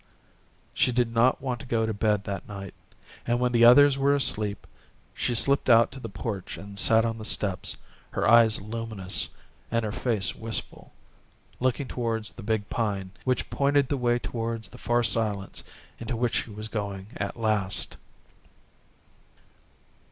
She did not want to go to bed that night, and when the others were asleep she slipped out to the porch and sat on the steps, her eyes luminous and her face wistful looking towards the big Pine which pointed the way towards the far silence into which she was going at last.